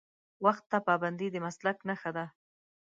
وخت ته پابندي د مسلک نښه ده.